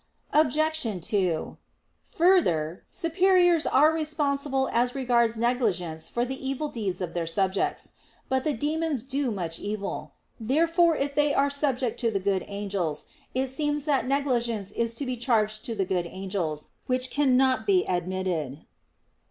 Obj. 2: Further, superiors are responsible as regards negligence for the evil deeds of their subjects. But the demons do much evil. Therefore if they are subject to the good angels, it seems that negligence is to be charged to the good angels; which cannot be admitted.